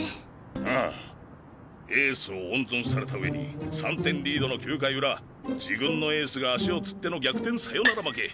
ああエースを温存されたうえに３点リードの９回ウラ自軍のエースが足をつっての逆転サヨナラ負け。